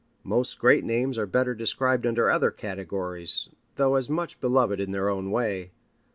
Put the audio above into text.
Most great names are better described under other categories, though as much beloved in their own way.